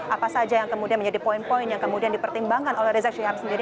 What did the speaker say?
apa saja yang kemudian menjadi poin poin yang kemudian dipertimbangkan oleh rizik syihab sendiri